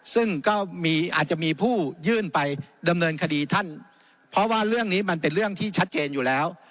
ซึ่งก็มีอาจจะมีผู้ยื่นไปดำเนินคดีท่านเพราะว่าเรื่องนี้มันเป็นเรื่องที่ชัดเจนอยู่แล้ว